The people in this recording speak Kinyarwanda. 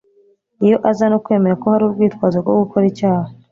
Iyo aza no kwemera ko hari urwitwazo rwo gukora icyaha,